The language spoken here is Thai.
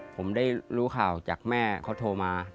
ผมได้รู้ข่าวจากแม่เขาโทรมา